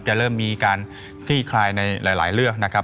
จะเริ่มมีการคลี่คลายในหลายเรื่องนะครับ